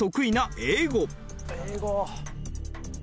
英語。